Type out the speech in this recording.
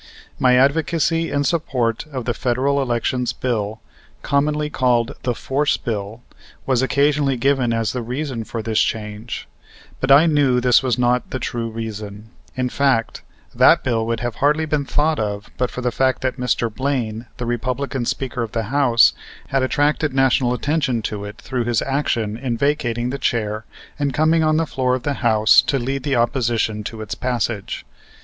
My advocacy and support of the Federal Elections Bill, commonly called the "Force Bill," was occasionally given as the reason for this change; but I knew this was not the true reason. In fact, that bill would hardly have been thought of but for the fact that Mr. Blaine, the Republican Speaker of the House, had attracted national attention to it through his action in vacating the chair and coming on the floor of the House to lead the opposition to its passage.